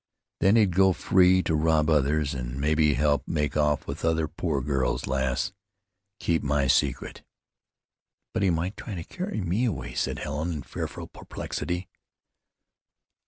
Then he'd go free to rob others, an' mebbe help make off with other poor girls. Lass, keep my secret." "But he might try to carry me away," said Helen in fearful perplexity.